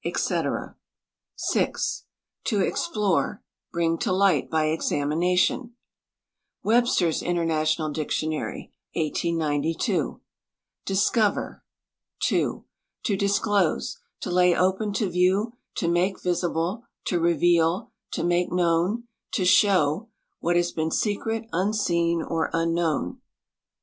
C. "6. To explore; bring to light by examination." ( Webster' H International Dictionary, 1892) "Discover — 2. To disclose; to lay open to view; to make visible; to reveal ; to make known ; to show ^what has been secret, unseen, or unknown!.